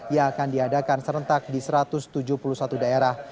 yang akan diadakan serentak di satu ratus tujuh puluh satu daerah